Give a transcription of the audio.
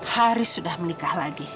haris sudah menikah lagi